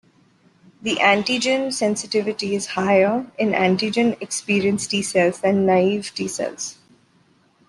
The antigen sensitivity is higher in antigen-experienced T cells than in naive T cells.